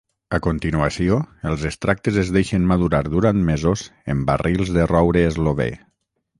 A continuació, els extractes es deixen madurar durant mesos en barrils de roure eslovè.